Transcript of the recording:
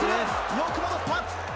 よく戻った。